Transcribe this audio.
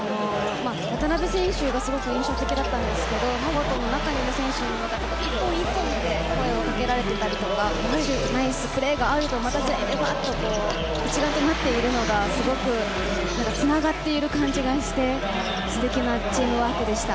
渡邊選手がすごく印象的だったんですけど中にいる選手が１本、１本と声をかけられていたりとかナイスプレーがあると全員で一丸となっているのがすごくつながっている感じがして素敵なチームワークでした。